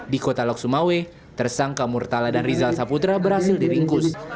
di kota lok sumawe tersangka murtala dan rizal saputra berhasil diringkus